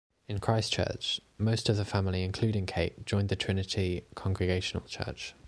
In Christchurch, most of the family including Kate joined the Trinity Congregational Church.